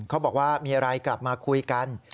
เขาบอกว่ามีอะไรกลับมาคุยกัน